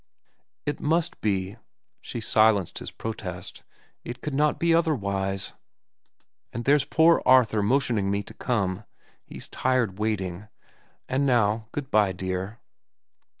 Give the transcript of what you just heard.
"It must be," she silenced his protest. "It could not be otherwise. And there's poor Arthur motioning me to come. He's tired waiting. And now good by, dear."